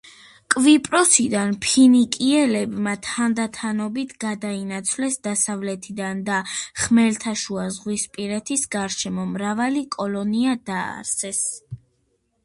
კვიპროსიდან ფინიკიელებმა თანდათანობით გადაინაცვლეს დასავლეთისკენ და ხმელთაშუა ზღვისპირეთის გარშემო მრავალი კოლონია დააარსეს.